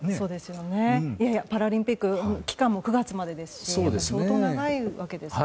パラリンピック期間も９月までですし相当長いわけですからね。